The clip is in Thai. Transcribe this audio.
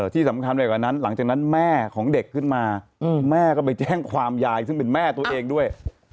ที่สำคัญไปกว่านั้นหลังจากนั้นแม่ของเด็กขึ้นมาแม่ก็ไปแจ้งความยายซึ่งเป็นแม่ตัวเองด้วย